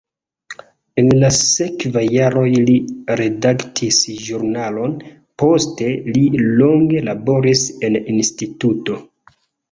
En la sekvaj jaroj li redaktis ĵurnalon, poste li longe laboris en instituto.